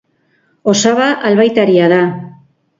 Osaba albaitaria da.